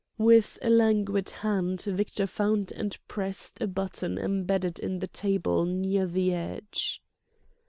With a languid hand Victor found and pressed a button embedded in the table near the edge.